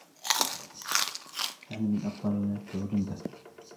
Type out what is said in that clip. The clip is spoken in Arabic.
نحن من أبطالنا ندفع جندا